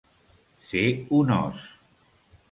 Ser un os.